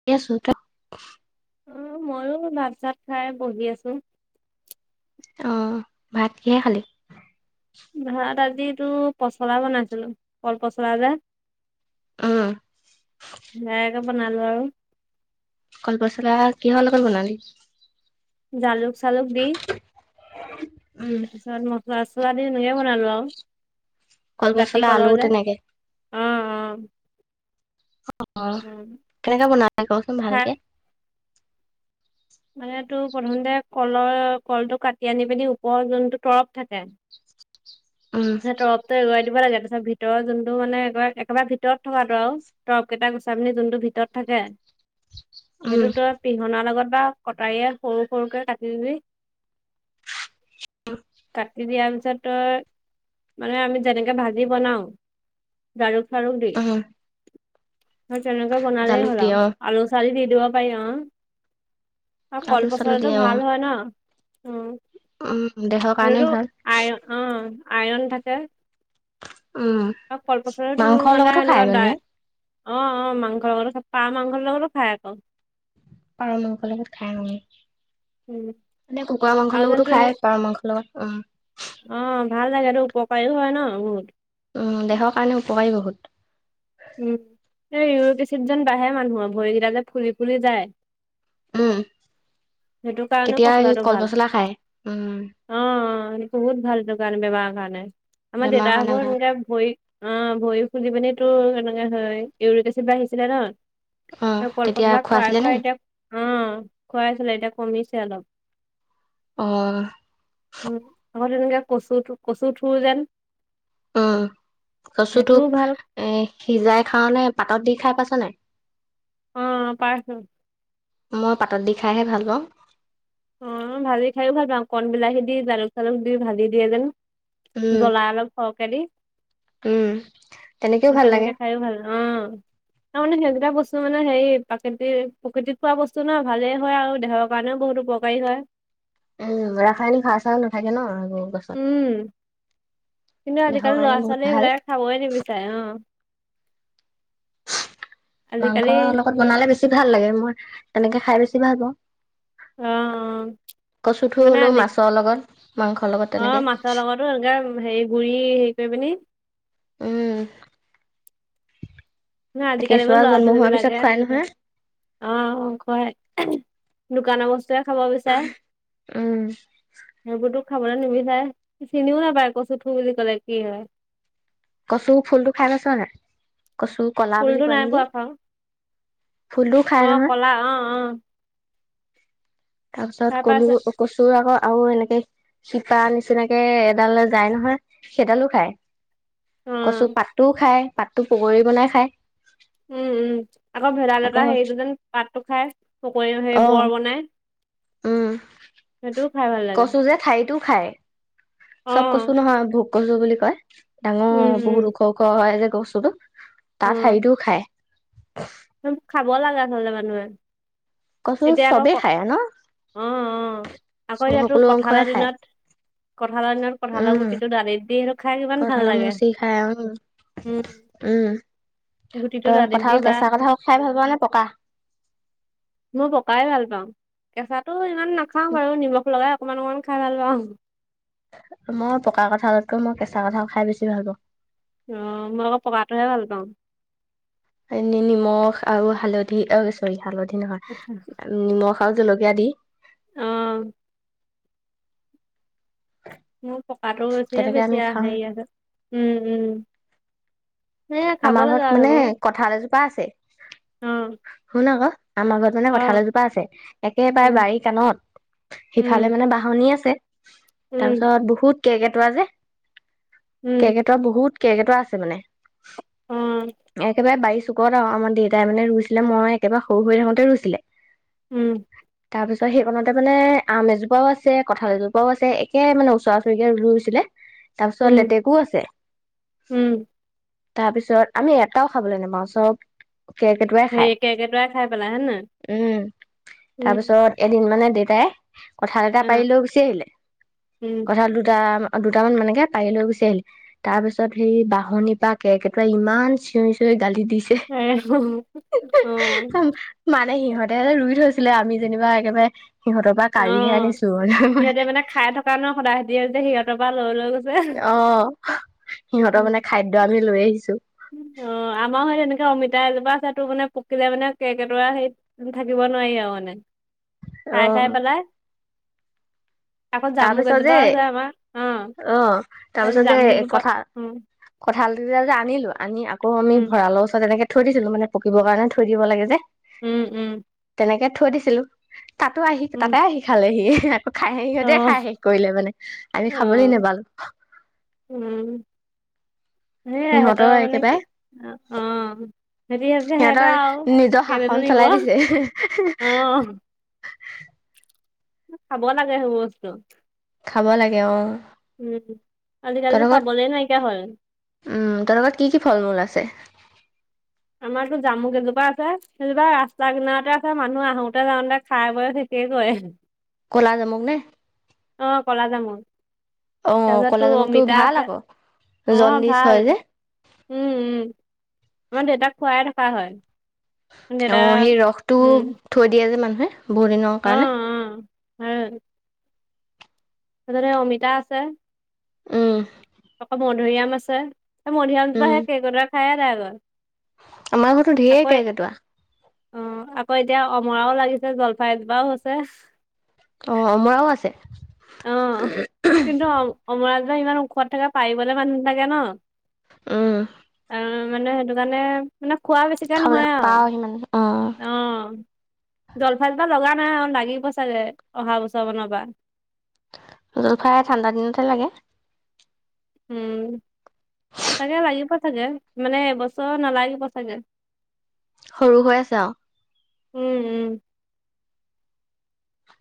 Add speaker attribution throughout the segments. Speaker 1: [unintelligible]
Speaker 2: অ' মইো ভাত চাত খাই বহি আছোঁ।
Speaker 1: অ' ভাত কিহে খালি?
Speaker 2: ভাত আজিতো পচলা বনাইছিলো কল পচলা যে
Speaker 1: উম
Speaker 2: [unintelligible] বনালো আৰু।
Speaker 1: কলপচলা কিহৰ লগত বনালি?
Speaker 2: জালুক চালুক দি
Speaker 1: উম
Speaker 2: [unintelligible] মছলা [unintelligible] দি [unintelligible] জাতি
Speaker 1: কলপচলা আলু
Speaker 2: কলৰ যে
Speaker 1: তেনেকে
Speaker 2: অ' অ '
Speaker 1: অ' অ' কেনেকে বনালে কচোন
Speaker 2: খাই
Speaker 1: ভালকে।
Speaker 2: মানে তোৰ প্ৰথমতে কলৰ কলটো কাটি আনি পিনি ওপৰৰ যোনটো তৰফ থাকে।
Speaker 1: উম
Speaker 2: ন তৰৱতটো এৰুৱাই দিব লাগে। তাৰপিছত ভিতৰত যোনটো মানে এক একেবাৰে ভিতৰত [unintelligible] তৰপ কেইটা গুচাই পিনি যোনটো ভিতৰত থাকে
Speaker 1: উম
Speaker 2: সেইটো পিহনাৰ লগত বা কটাৰীয়ে সৰু সৰুকে কাটি দিবি। কাটি দিয়াৰ পিছত তই মানে আমি যেনেকে ভাজি বনাও জালুক চাৰুক দি
Speaker 1: উম
Speaker 2: তেনেকে বনালেই
Speaker 1: জালুক
Speaker 2: হ'ল
Speaker 1: দিয়ে
Speaker 2: আৰু
Speaker 1: অ
Speaker 2: আলু চালি দি দিব পাৰি অ' আৰু
Speaker 1: আলু চালু
Speaker 2: কলপচলাটো
Speaker 1: দিয়ে অ
Speaker 2: ভাল হয় ন উম,
Speaker 1: উম, দেহৰ কাৰণে ভাল।
Speaker 2: আয় অ' আয়ৰন থাকে।
Speaker 1: উম,
Speaker 2: আৰু কলপচলাটো
Speaker 1: মাংসৰ
Speaker 2: মানে
Speaker 1: লগতো খায়
Speaker 2: এনেকুৱা দাই
Speaker 1: মানুহে
Speaker 2: অ' অ' মাংসৰ লগত পাৰ মাংসৰ লগতো খাই আকৌ।
Speaker 1: পাৰ মাংসৰ লগত খাই [unintelligible]
Speaker 2: উম,
Speaker 1: মানে কুকুৰা মাংসৰ
Speaker 2: আৰু
Speaker 1: লগতো
Speaker 2: যেনতো সেই
Speaker 1: খায় পাৰ মাংসৰ লগত উম,
Speaker 2: অ' ভাল লাগে হেটো উপকাৰীও হয় ন বহুত।
Speaker 1: উম, দেহৰ কাৰণে উপকাৰী বহুত।
Speaker 2: উম, ইউৰিক এচিড যে বাঢ়ে মানুহৰ ভৰিকেইটা যে ফুলি ফুলি যায়।
Speaker 1: উম,
Speaker 2: সেইটো কাৰণেও
Speaker 1: তেতিয়া
Speaker 2: পচলাটো
Speaker 1: কল
Speaker 2: ভাল
Speaker 1: পচলা খায়। উম,
Speaker 2: অ' বহুত ভাল [unintelligible] বেমাৰ কাৰণে আমাৰ
Speaker 1: বেমাৰৰ কাৰণে ভাল
Speaker 2: দেউতাসকলৰ [unintelligible] ভৰি অ' ভৰি খুন্দি পিনি তো এনেকে হয়, ইউৰিক এচিড বাঢ়িছিলে ন?
Speaker 1: অ তেতিয়া
Speaker 2: কলপচলা খুৱাই
Speaker 1: খোৱাইছিলে নে
Speaker 2: খুৱাই এতিয়া উম, খুৱাই চে এতিয়া কমিছে অলপ।
Speaker 1: [unintelligible]
Speaker 2: উম, আকৌ তেনেকে কচু কচুৰ ঠুৰ যেন।
Speaker 1: উম, কচুটো
Speaker 2: সেইটোও ভাল
Speaker 1: এ সিজাই খায় নে পাতত দি খাই পাইছ নে নাই।
Speaker 2: অ' পাইছোঁ।
Speaker 1: মই পাতত দি খাইহে ভাল পাওঁ।
Speaker 2: উম, ভাজি খাইও ভাল পাওঁ কন বিলাহী দি জালুক চালুক দি ভাজি দিয়ে যেন।
Speaker 1: উম,
Speaker 2: জলা অলপ সৰহকে দি
Speaker 1: উম, তেনেকেও ভাল লাগে।
Speaker 2: তেনেকে খাইো ভাল অ'। তাৰ মানে সেইকেইটা বস্তু মানে হেৰি প্ৰাকৃতিৰ প্ৰকৃতিত পোৱা বস্তু ন ভালেই হয় আৰু দেহৰ কাৰণেও বহুত উপ [unintelligible]
Speaker 1: উম, ৰাসায়নিক সাৰ চাৰ নাথাকে ন [unintelligible]
Speaker 2: উম, কিন্তু
Speaker 1: দেহৰ
Speaker 2: আজিকালি ল'ৰা
Speaker 1: কাৰণে বহুত
Speaker 2: ছোৱালী
Speaker 1: ভাল।
Speaker 2: এইবিলাকে খাবই নিবিচাৰে অ।
Speaker 1: মাংস
Speaker 2: আজিকালি
Speaker 1: লগত
Speaker 2: ন-
Speaker 1: বনালে বেছি ভাল লাগে মই তেনেকে খাই বেছি ভাল পাওঁ।
Speaker 2: অ
Speaker 1: কচুঠু
Speaker 2: মানে
Speaker 1: বোলো
Speaker 2: আজি
Speaker 1: মাছৰ লগত মাংসৰ লগত।
Speaker 2: অ
Speaker 1: তেনেকে।
Speaker 2: মাছৰ লগতো এনেকা হেৰি গুৰি হেৰি কৰি পিনি।
Speaker 1: উম,
Speaker 2: নাই আজি কালি
Speaker 1: কেঁচুৱা
Speaker 2: বোলো ল'ৰা
Speaker 1: জন্ম
Speaker 2: ছোৱালী
Speaker 1: হোৱাৰ পিছত
Speaker 2: বিলাকে
Speaker 1: খুৱাই নহয়।
Speaker 2: আহ কয় দোকানৰ বস্তুৱে খাব বিচাৰে।
Speaker 1: উম,
Speaker 2: সেইবোৰতো খাবলৈ নিবিচাৰে চিনিও নাপায় কচুঠু বুলি ক'লে কি হয়।
Speaker 1: কচু ফুলটো খাই পাইছ নাই কচু ক'লা বুলি
Speaker 2: ফুলটো
Speaker 1: কয়
Speaker 2: নাই
Speaker 1: নেকি।
Speaker 2: পোৱা খাওঁ
Speaker 1: ফুলটোও খাই
Speaker 2: অ
Speaker 1: নহয়।
Speaker 2: কলা অ অ।
Speaker 1: তাৰপিছত
Speaker 2: খাই
Speaker 1: কলু
Speaker 2: পাইছে
Speaker 1: কচুৰ আকৌ আৰু এনেকে। শিপা নিচিনাকে এডাল যায় নহয় সেইডালো খায়।
Speaker 2: অ
Speaker 1: কচু পাতো খাই পাততো পকৰী বনাই খায়।
Speaker 2: উম উম আকৌ ভেদাই লতা হেৰিটো যেন পাতটো খাই পকৰী হে
Speaker 1: অ
Speaker 2: বৰ বনাই।
Speaker 1: উম
Speaker 2: সেইটোও খাই ভাল লাগে
Speaker 1: কচু যে ঠাৰিটো খায়।
Speaker 2: অ
Speaker 1: চব কচু নহয় ভোক কচু বুলি কয় ডাঙৰ
Speaker 2: উম উম
Speaker 1: বহুত ওখ ওখ হয় যে কচুতো তাৰ
Speaker 2: উম
Speaker 1: ঠাৰিটোও খাই [unintelligible]
Speaker 2: সেইবোৰ খাব লাগে আচলতে মানুহে।
Speaker 1: ত
Speaker 2: এতিয়া আকৌ
Speaker 1: চবেই
Speaker 2: ক
Speaker 1: খাই ন।
Speaker 2: অ অ আকৌ ইয়াতো
Speaker 1: সকলো অংশই
Speaker 2: কঁঠালৰ
Speaker 1: খায়
Speaker 2: দিনত। কঁঠালৰ দিনত কঁঠালৰ গুঠিটো দালিত দি খাই কিমান ভাল
Speaker 1: কঁঠালৰ
Speaker 2: লাগে
Speaker 1: মচি খাই উম।
Speaker 2: উম
Speaker 1: উম
Speaker 2: গুটিটো
Speaker 1: তই
Speaker 2: দালিত দি
Speaker 1: কঁঠাল
Speaker 2: বা
Speaker 1: কেঁচা কঁঠাল খাই ভাল পাৱ নে পকা।
Speaker 2: মই পকাই ভাল পাওঁ কেঁচাটো ইমান নাখাওঁ বাৰু নিমখ লগাই। অকমান অকমান খাই ভাল পাওঁ
Speaker 1: মই পকা কঁঠালতকৈ মই কেঁচা কঁঠাল খাই বেছি ভাল পাওঁ।
Speaker 2: অ মই অকৌ পকাটোহে ভাল পাওঁ।
Speaker 1: এনে নিমখ আৰু হালধি অ চৰি হালধি
Speaker 2: আচ্ছা,
Speaker 1: নহয় নিমখ আৰু জলকীয়া দি।
Speaker 2: অ। মোৰ পকাটো এতি
Speaker 1: তেনেকে
Speaker 2: বেছি
Speaker 1: আমি খাওঁ
Speaker 2: হেৰি আহে উম উম। সেয়ে খাব
Speaker 1: আমাৰ
Speaker 2: লাগে
Speaker 1: ঘৰত
Speaker 2: আৰু
Speaker 1: মানে
Speaker 2: সেইবোৰ
Speaker 1: কঁঠাল এজোপা আছে শুন আক। আমাৰ ঘৰত মানে
Speaker 2: অ অ
Speaker 1: কঁঠাল এজোপা আছে একেবাৰে
Speaker 2: উম
Speaker 1: বাৰী কাণত
Speaker 2: উম
Speaker 1: সিফালে মানে বাঁহনি আছে।
Speaker 2: উম
Speaker 1: তাৰপিছত বহুত কেৰ্কেটুৱা যে
Speaker 2: উম
Speaker 1: কেৰ্কেটুৱা বহুত কেৰ্কেটুৱা আছে মানে
Speaker 2: অ
Speaker 1: একেবাৰে বাৰিৰ চোকত। ক'ত আৰু আমাৰ দেউতাই মানে ৰুইছিলে মই একেবাৰে সৰু হৈ থাকোতে ৰুইছিলে।
Speaker 2: উম।
Speaker 1: তাৰপিছত সেইখনণতে মানে আম এজোপাও আছে কঁঠাল এজোপাও আছে একে মানে ওচৰা ওচৰিকে ৰুইছিলে। তাৰপিছত
Speaker 2: উম
Speaker 1: লেটেকো আছে।
Speaker 2: উম।
Speaker 1: তাৰপিছত আমি এটাও খাবলৈ নাপাওঁ চব। কেৰ্কেটোৱাই
Speaker 2: হেৰি
Speaker 1: খায়
Speaker 2: কেৰ্কেটুৱাই খাই পেলাই হয় নে নহয়?
Speaker 1: উম
Speaker 2: উম,
Speaker 1: তাৰ পিছত। এদিন মানে দেউতাই কঁঠাল এটা
Speaker 2: অ'
Speaker 1: পাৰি লৈ গুচি আহিলে
Speaker 2: উম।
Speaker 1: কঁঠাল দুটা। দুটামান মানেকে পাৰি লৈ গুচি আহিলে তাৰ পিছত সেই বাঁহনি পৰা কেৰ্কেটুৱাই ইমান চিঞৰি চিঞৰি গালি দিছে
Speaker 2: এ অ [inaudible] এ হুম উ'ম। [inaudible]
Speaker 1: মানে সিহঁতে ৰুই থৈছিলে আমি যেনিবা একেবাৰে সিহঁতৰ বা।
Speaker 2: অ' সিহঁতে মানে খাই থকা ন সদায় সিহঁতৰ পৰা লৈ লৈ গৈছে।
Speaker 1: অ' সিহঁতৰ মানে খাদ্য আমি লৈ আহিছো।
Speaker 2: অ' আমাৰো সেই এনেকে অমিতা এজোপা আছে তোৰ মানে পকিলে মানে কেৰ্কেটুৱা আহি। থাকিব নোৱাৰি আৰু মানে খাই- খাই পেলাই। আকৌ জামুক
Speaker 1: তাৰপিছত যে
Speaker 2: এজোপা আছে আমাৰ অ'
Speaker 1: আহ তাৰপিছত যে
Speaker 2: জামুকজোপা
Speaker 1: কথা
Speaker 2: উম
Speaker 1: কঁঠালটো যে আনিলোঁ আনি আকৌ আমি
Speaker 2: উম
Speaker 1: ভঁৰালৰ ওচৰত এনেকে থৈ দিছিলোঁ মানে পকিবৰ কাৰণে থৈ দিব লাগে যে।
Speaker 2: উম - উম।
Speaker 1: তেনেকে থৈ দিছিলোঁ তাতো আহি
Speaker 2: উম
Speaker 1: তাতে আহি খালেহি আকৌ খাইহে সিহঁতে। খাই
Speaker 2: অ'
Speaker 1: হেক কৰিলে মানে খাবলৈ
Speaker 2: অ'
Speaker 1: নেপালোঁ।
Speaker 2: উম। সেই সিহঁতৰ মানে কি অ সেহেতি ভাবিলে সিহঁতৰ আৰু
Speaker 1: নিজৰ শাসন
Speaker 2: কেলেনো নিব
Speaker 1: চলাই
Speaker 2: অ'
Speaker 1: দিছে
Speaker 2: খাব লাগে সেইবোৰ বস্তু।
Speaker 1: খাব লাগে অ'
Speaker 2: উম আজিকালিতো
Speaker 1: তহঁতৰ ঘৰত
Speaker 2: পাবলে নাইকিয়া হ'ল।
Speaker 1: উম তাহাঁতৰ ঘৰত কি কি ফল মূল আছে।
Speaker 2: আমাৰতো জামু কেইজোপা আছে সেইজোপা ৰাস্তা কিনাৰতে আছে, মানুহ আহোতে যাওঁতে খাই বৈ। [inaudible] কৰে
Speaker 1: ক'লা জামুক নে?
Speaker 2: অ' কলা জামুক।
Speaker 1: অ
Speaker 2: তাৰপিছত
Speaker 1: ক'লা
Speaker 2: তোৰ
Speaker 1: জামুকটো
Speaker 2: অমিতা,
Speaker 1: ভাল
Speaker 2: আছে
Speaker 1: আকৌ
Speaker 2: অ'
Speaker 1: জণ্ডিচ হয়
Speaker 2: ভাল
Speaker 1: যে
Speaker 2: উম উম আমাৰ দেউতাক খুৱাই থকা হয়। দেউতা
Speaker 1: অ' সেই ৰসটোও
Speaker 2: উম,
Speaker 1: থৈ দিয়ে যে মানুহে বহুত দিনৰ
Speaker 2: অ',
Speaker 1: কাৰণে।
Speaker 2: অ', ভাল, তাৰপিছতে অমিতা আছে।
Speaker 1: উম।
Speaker 2: আকৌ মধুৰিআম আছে সেই মধুৰিআম জোপা
Speaker 1: উম
Speaker 2: সেই কেৰ্কেটুৱা খায়ে এডাই কৰে।
Speaker 1: আমাৰ ঘৰতো
Speaker 2: আকৌ
Speaker 1: ধেৰ কেৰ্কেটুৱা।
Speaker 2: অ' আকৌ এতিয়া অমৰাও লাগিছে জলফাই এজোপাও আছে।
Speaker 1: অ' অমৰাও আছে।
Speaker 2: অ' কিন্তু অ' অমৰা জোপা ইমান ওখত থাকে পাৰিবলে মানুহ নাথাকে ন'
Speaker 1: উম
Speaker 2: আৰু মানে সেইটো কাৰণে মানে খোৱা বেছি। বেছিকে
Speaker 1: খাবলৈ
Speaker 2: নহয় আৰু
Speaker 1: নাপাওঁ সিমান অ
Speaker 2: অ' জলফাই জোপা লগা নাই অ' লাগিব চাগে অহা বছৰমানৰ পৰা।
Speaker 1: জলফাই আৰু ঠাণ্ডা দিনত হে লাগে।
Speaker 2: উম। তাকে লাগিব চাগে মানে এইবছৰ নালাগিব চাগে।
Speaker 1: সৰু হৈ আছে আৰু।
Speaker 2: উম- উম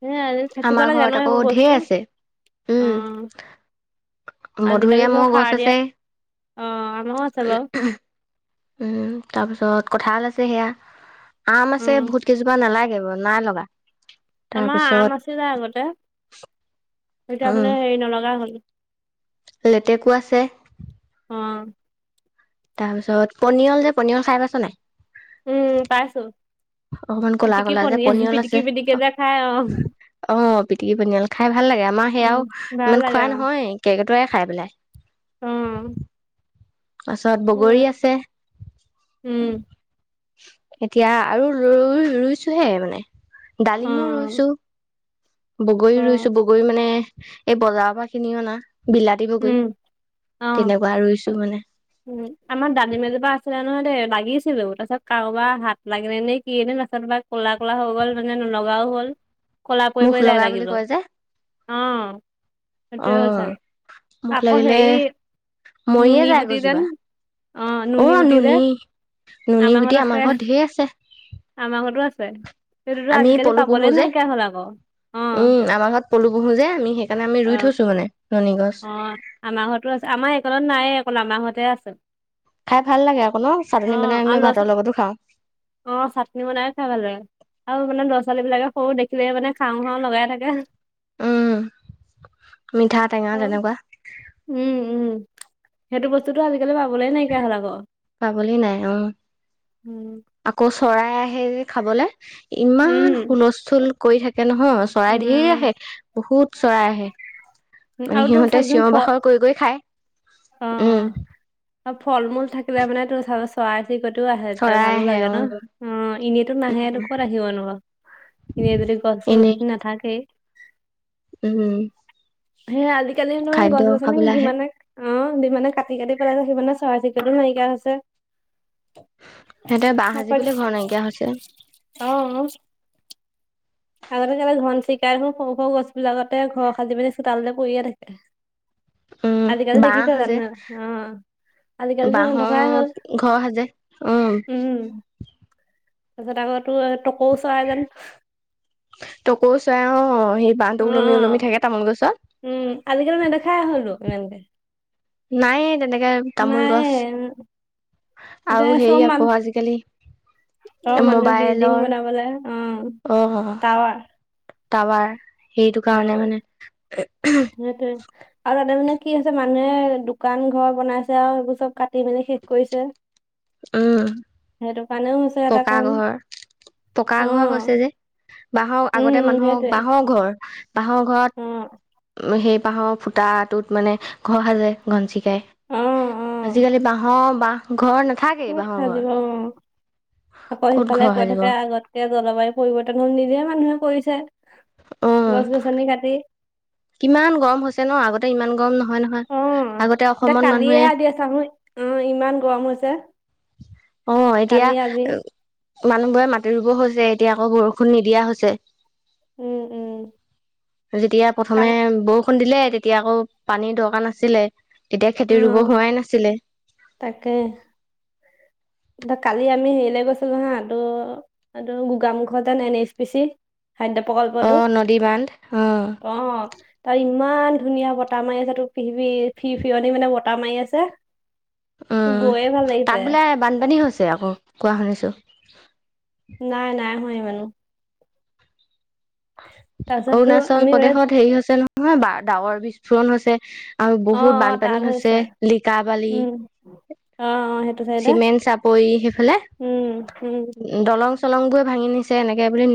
Speaker 2: সেই এ থাকিব
Speaker 1: আমাৰ
Speaker 2: লাগে
Speaker 1: ঘৰত
Speaker 2: ন'
Speaker 1: আকৌ
Speaker 2: সেইবোৰ
Speaker 1: ঢেৰ
Speaker 2: বস্তু
Speaker 1: আছে উম
Speaker 2: অ' আজি কালি
Speaker 1: মধুৰিআমৰ
Speaker 2: ছব
Speaker 1: গছ
Speaker 2: সাৰ দিয়া।
Speaker 1: আছে
Speaker 2: অ আমাৰো আছে বাৰু
Speaker 1: উম তাৰপিছত কঠাল আছে সেয়া। আম আছে
Speaker 2: অ
Speaker 1: বহুত কেইজোপা নালাগে ব নাই লগা।
Speaker 2: আমাৰ
Speaker 1: তাৰপিছত
Speaker 2: আম আছিল যে আগতে এতিয়া মানে হেৰি নলগা হ'ল।
Speaker 1: লেতেকো আছে।
Speaker 2: অ'।
Speaker 1: তাৰপিছত, পনিয়ল যে পনিয়ল খাই পাইছ নাই?
Speaker 2: উম, পাইছোঁ,
Speaker 1: অকমান ক'লা
Speaker 2: পিটিকি
Speaker 1: ক'লা যে
Speaker 2: পনীয়ল,
Speaker 1: পনিয়ল আছে
Speaker 2: পিটিকি-পিটিকি যে খাই, অ'।
Speaker 1: অ', পিটিকি পনিয়াল, খাই ভাল লাগে, আমাৰ
Speaker 2: উম,
Speaker 1: সেয়াও
Speaker 2: ভাল
Speaker 1: ইমান
Speaker 2: লাগে
Speaker 1: খোৱা
Speaker 2: অ',
Speaker 1: নহয়, কেৰ্কেটুৱাই খাই পেলাই।
Speaker 2: উম।
Speaker 1: তাৰপাছত বগৰী আছে।
Speaker 2: উম,
Speaker 1: এতিয়া আৰু ৰুইছোহে মানে। ডালিমো
Speaker 2: অ',
Speaker 1: ৰুইছোঁ। বগৰী
Speaker 2: অ',
Speaker 1: ৰুইছোঁ, বগৰী মানে, এই বজাৰৰ পৰা কিনি অনা। বিলাতি বগৰী,
Speaker 2: উম, অ',
Speaker 1: তেনেকুৱা ৰুইছো মানে।
Speaker 2: উম, আমাৰ দালিম এজোপা আছিলে নহয় দেই, লাগিছিলেও, তাৰছত কাৰোবাৰ হাত লাগিলে নে কি নাচলো বা ক'লা-ক'লা হৈ গ'ল, মানে নলগাও হ'ল। ক'লা
Speaker 1: মুখ
Speaker 2: পৰি-পৰি যাই
Speaker 1: লগা বুলি
Speaker 2: লাগিলেও,
Speaker 1: কয় যে
Speaker 2: অ',
Speaker 1: অ
Speaker 2: সেইটোয়ে হ'ল চাগে।
Speaker 1: মুখ
Speaker 2: আকৌ
Speaker 1: লাগিলে,
Speaker 2: হেৰি নুনী
Speaker 1: মৰিয়ে যায়
Speaker 2: গুটি যেন
Speaker 1: গছজোপা, অ', নুনী। নুনী
Speaker 2: আমাৰ
Speaker 1: গুটি
Speaker 2: ঘত আছে,
Speaker 1: ঘৰত ঢেৰ আছে
Speaker 2: আমাৰ ঘৰতো আছে। সেইটোতো
Speaker 1: আমি
Speaker 2: আজিকালি
Speaker 1: পলু
Speaker 2: পাবলে
Speaker 1: পোহোঁ যে,
Speaker 2: নাইকিয়া হ'ল আকৌ অ',
Speaker 1: উম, আমাৰ ঘৰত পলু পোহো যে আমি সেই কাৰণে আমি ৰুই
Speaker 2: অ',
Speaker 1: থৈছো মানে, নুনী গছ।
Speaker 2: অ', আমাৰ ঘৰতো আছে, আমাৰ এইকনত নাইয়ে, অকল আমাৰ ঘৰত হে আছে।
Speaker 1: খাই ভাল লাগে আকৌ ন', চাটনি
Speaker 2: অ',
Speaker 1: বনাই
Speaker 2: আৰু
Speaker 1: আমি
Speaker 2: ল'ৰা
Speaker 1: ভাতৰ লগতো খাওঁ।
Speaker 2: অ', চাটনি বনাইও খাই ভাল লাগে। আৰু মানে ল'ৰা-ছোৱালী বিলাকে সৰু দেখিলেই মানে খাওঁ-খাওঁ লগাই থাকে।
Speaker 1: উম, মিঠা-টেঙা
Speaker 2: অ',
Speaker 1: তেনেকুৱা।
Speaker 2: উম, উম, সেইটো বস্তুটো আজিকালি পাবলৈ নাইকিয়া হ'ল আকৌ।
Speaker 1: পাবলৈ নাই অ',
Speaker 2: উম।
Speaker 1: আকৌ চৰাই আহে যে খাবলে। ইমান
Speaker 2: উম,
Speaker 1: হুলস্থুল কৰি থাকে নহয়। চৰাই ধেৰ
Speaker 2: উম,
Speaker 1: আহে, বহুত চৰাই আহে,
Speaker 2: আৰু
Speaker 1: মানে
Speaker 2: তোৰ
Speaker 1: সিহঁতে
Speaker 2: চাবিচোন ফ
Speaker 1: চিঞৰ বাখৰ কৰি-কৰি খাই, উম।
Speaker 2: অ', ফল-মূল থাকিলে মানে তোৰ চা চৰাই চিৰিকটিও আহে, তেতিয়া
Speaker 1: চৰাই
Speaker 2: ভালো
Speaker 1: আহে
Speaker 2: লাগে
Speaker 1: উম
Speaker 2: ন', অ', এনেইতো নাহে
Speaker 1: উম
Speaker 2: ক'ত আহিব নু। এনেই যদি গছ-চছ
Speaker 1: এনেই
Speaker 2: নাথাকেই।
Speaker 1: উম।
Speaker 2: হে আজিকালি এনেও
Speaker 1: খাদ্য
Speaker 2: গছ-গছনি
Speaker 1: খাবলৈ আহে
Speaker 2: যিমানেই অ', যিমানেই কাটি-কাটি পেলাই আছে, সিমানেই চৰাই চিৰিকটি নাইকিয়া হৈছে।
Speaker 1: সিহঁতে বাঁহ সাজিবলৈ ঘৰ নাইকিয়া হৈছে
Speaker 2: [unintelligible] অ'। আগতে কেতিয়াবা, ঘন চিৰিকাই দেখোঁন সৰু-সৰু গছবিলাকতে ঘৰ সাজি মেলি চোতালতে পৰিয়ে থাকে।
Speaker 1: উম
Speaker 2: আজি কালি
Speaker 1: বাঁহ
Speaker 2: দেখিছা
Speaker 1: সাজে
Speaker 2: জানো, অ'। আজি কালিটো নথকাই
Speaker 1: বাঁহত
Speaker 2: হ'ল,
Speaker 1: ঘৰ সাজে
Speaker 2: উম। তাৰপিছত আকৌ তোৰ তকৌ চৰাই যে।
Speaker 1: তকৌ চৰাই অ', সেই বান্ধটো
Speaker 2: অ
Speaker 1: ওলমি-ওলমি থাকে যে তামুল গছত।
Speaker 2: উম, আজিকালি নেদেখাই হ'লোঁ ইমানকে।
Speaker 1: নাইয়ে তেনেকে তামোল
Speaker 2: নাই
Speaker 1: গছ, আৰু
Speaker 2: এতিয়া চব
Speaker 1: হেৰি
Speaker 2: মান
Speaker 1: আকৌ আজিকালি
Speaker 2: ঘৰৰ মানুহে বিল্ডিং
Speaker 1: মোবাইলৰ,
Speaker 2: বনাবলে অ
Speaker 1: অহ।
Speaker 2: টাৱাৰ
Speaker 1: টাৱাৰ, সেইটো কাৰণে মানে।
Speaker 2: মতে [unintelligible] আৰু তাতে মানে কি হৈছে, মানুহে দোকান ঘৰ বনাইছে আৰু সেইবোৰ চব কাটি মেলি শেষ কৰিছে সেইটো কাৰণেও হৈছে। এটা
Speaker 1: টকা
Speaker 2: কাৰণ
Speaker 1: ঘৰ পকা
Speaker 2: অ
Speaker 1: ঘৰ হৈছে যে বাঁহৰ
Speaker 2: উম
Speaker 1: আগতে মানুহক
Speaker 2: সেইটোৱে
Speaker 1: বাঁহৰ ঘৰ বাঁহৰ
Speaker 2: অ।
Speaker 1: ঘৰত সেই পাহাৰৰ ফুটাটোত মানে ঘৰ সাজে ঘনচি কে
Speaker 2: অ অ
Speaker 1: আজিকালি বাঁহৰ বাঁহ ঘৰ নাথাকেই
Speaker 2: ক'ত
Speaker 1: বাঁহৰ ঘৰ।
Speaker 2: সাজিব অ আকৌ
Speaker 1: ক'ত
Speaker 2: সিফালে
Speaker 1: ঘৰ
Speaker 2: কৈ
Speaker 1: সাজিব
Speaker 2: থাকে আগতকে জলবায়ু পৰিৱৰ্তন [unintelligible] নিজে মানুহে কৰিছে।
Speaker 1: অঁ
Speaker 2: গছ-গছনি কাতি।
Speaker 1: কিমান গৰম হৈছে ন'আগতে ইমান গৰম নহয় নহয় ন'।
Speaker 2: অ' এতিয়া কালিয়ে আদি আছা হুই অ' ইমান গৰম হৈছে। কালি
Speaker 1: অ'এতিয়া
Speaker 2: আজি
Speaker 1: মানুহবোৰে মাটি ৰুব হৈছে এতিয়া আকৌ বৰষুণ নিদিয়া হৈছে।
Speaker 2: উম উম
Speaker 1: যেতিয়া
Speaker 2: কাল
Speaker 1: প্ৰথমে বৰষুণ দিলে তেতিয়া আকৌ পানী দৰকাৰ নাছিলে তেতিয়া
Speaker 2: অ
Speaker 1: খেতি ৰুব হোৱাই নাছিলে
Speaker 2: তাকে। দে কালি আমি হেৰিলে গৈছিলোঁ নহয় এইটো [unintelligible] এইটো গোগামুখৰ যেন এন এছ পিচি। খাদ্য প্ৰকল্পটো
Speaker 1: অঁ নদী বান্ধ অঁ
Speaker 2: অ। তাৰ ইমান ধুনীয়া বতাহ মাৰি আছে তোক [unintelligible] ফিৰ-ফিৰনি মানে বতাহ মাৰি আছে। তোৰ
Speaker 1: উম,
Speaker 2: গৈয়ে ভাল লাগিছে
Speaker 1: তাত বোলে বানপানী হৈছে আকৌ কোৱা শুনিছোঁ।
Speaker 2: নাই, নাই, হোৱা ইমানো। তাৰপিছততো
Speaker 1: অৰুণাচল
Speaker 2: আমি বোলে
Speaker 1: প্ৰদেশত হেৰি হৈছে নহয় বা ডাৱৰ বিস্ফোৰণ হৈছে। আৰু
Speaker 2: অ
Speaker 1: বহুত
Speaker 2: অ তাত
Speaker 1: বানপানী হৈছে লিকা বালি
Speaker 2: উম অ অ সেইটো চাইডে
Speaker 1: চিমেণ চাপৰি সেইফালে।
Speaker 2: উম উম
Speaker 1: দলং চলং বোৰে ভাঙি নিছে এনেকে বুলি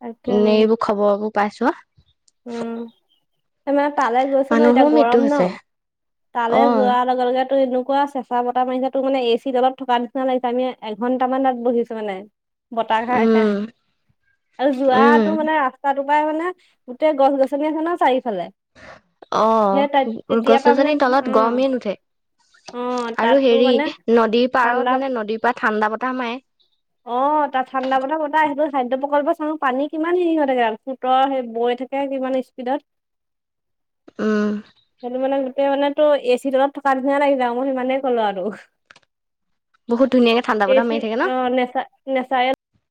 Speaker 2: তাকে
Speaker 1: এইবোৰ খবৰবোৰ পাইছোঁ আ।
Speaker 2: উম, এ, মানে তালে গৈছোঁ ন'
Speaker 1: মানুহো
Speaker 2: এতিয়া
Speaker 1: মৃত্যু
Speaker 2: গৰম
Speaker 1: হৈছে
Speaker 2: ন'। তালে
Speaker 1: অ
Speaker 2: যোৱাৰ লগে, লগে তো এনেকুৱা আছে চেচ এনেকুৱা বতাহ মাৰিছে তো মানে এ চি তলত থকা নিচিনা লাগিছে আমি এঘন্টামান তাত বহিছোঁ মানে। বতাহ খাই, খাই
Speaker 1: উম
Speaker 2: আৰু
Speaker 1: উম
Speaker 2: যোৱাটো মানে ৰাস্তাটো পাই মানে গোটেই গছ-গছনি আছে ন' চাৰিফালে
Speaker 1: অ' গছ-
Speaker 2: পৰা মানে
Speaker 1: গছনিৰ
Speaker 2: অ
Speaker 1: তলত গৰমেই নুঠে।
Speaker 2: অ
Speaker 1: আৰু
Speaker 2: তাতো
Speaker 1: হেৰি
Speaker 2: মানে
Speaker 1: নদীৰ
Speaker 2: ঠাণ্ডা
Speaker 1: পাৰত মানে নদীৰ পাৰত ঠাণ্ডা বতাহ মাৰে।
Speaker 2: অ' তাত ঠাণ্ডা বতাহ, বতাহ আহিব‌ই খাদ্য প্ৰকল্প [unintelligible] পানী কিমান হেৰি হৈ থাকে আৰুচোন ত' সেই বৌয়ে থাকে একেখন স্পীডত?
Speaker 1: [unintelligible] উম
Speaker 2: সেইটো মানে গোটেই মানে ত'এচি তলত থকা নিচিনা লাগি যাই মই সিমানেইে ক'লো আৰু।
Speaker 1: বহুত ধুনীয়াকে ঠাণ্ডা
Speaker 2: এ
Speaker 1: বতাহ
Speaker 2: চি
Speaker 1: মাৰি থাকে ন
Speaker 2: অ' নেচা-নেচাৰেল